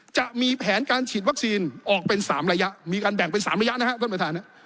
จะมีแผนการฉีดวัคซีนออกเป็น๓ระยะมีการแบ่งเป็น๓ระยะนะครับท่านประธาน